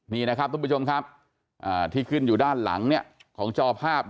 นี่นะครับทุกผู้ชมครับที่ขึ้นอยู่ด้านหลังของจอภาพ